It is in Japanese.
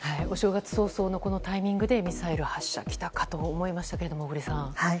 お正月早々のこのタイミングでミサイル発射、来たかと思いましたけど小栗さん。